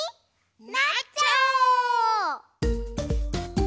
なっちゃおう！